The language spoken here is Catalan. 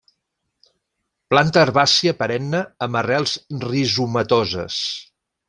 Planta herbàcia perenne amb arrels rizomatoses.